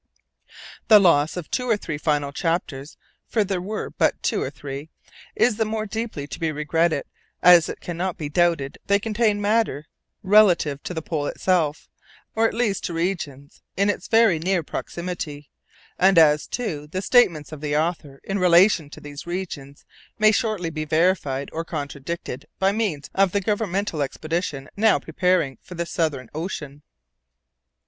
The loss of two or three final chapters (for there were but two or three) is the more deeply to be regretted, as it can not be doubted they contained matter relative to the Pole itself, or at least to regions in its very near proximity; and as, too, the statements of the author in relation to these regions may shortly be verified or contradicted by means of the governmental expedition now preparing for the Southern Ocean.